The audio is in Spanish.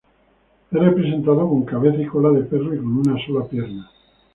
Es representado con cabeza y cola de perro y con una sola pierna.